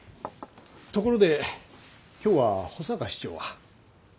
ところで今日は保坂市長は？